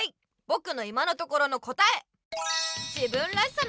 ぼくの今のところの答え！